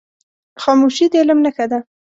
خاموشي، د علم نښه ده.